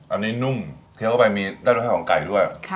อันนี้นุ่มเที้ยวไปมีรสชาติของไก่ด้วย